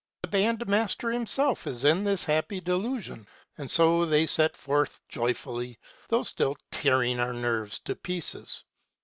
The band master himself is in this happy delusion ; and so they set forth joyfully, though still tearing our nerves to pieces.